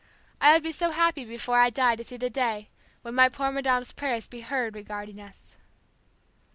I would be so happy before I die to see the day when my poor madame's prayers be heard regarding us."